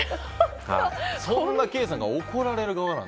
そんなケイさんが怒られる側。